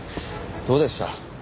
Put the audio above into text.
どうでした？